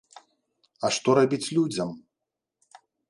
А што рабіць людзям?